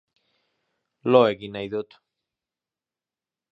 Lo egin nahi dut